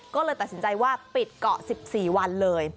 ก็เลยตัดสินใจว่าปิดเกาะ๑๔วันเลย